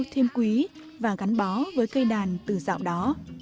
thêm quý và gắn bó với cây đàn từ dạo đó